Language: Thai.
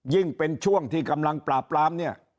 ยิ่งเป็นช่วงที่กำลังปราบปรามเนี่ย